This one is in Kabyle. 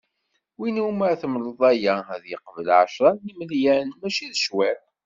Win umi ara temleḍ aya ad yeqbel, ɛecra n yimelyan! Mačči d cwiṭ.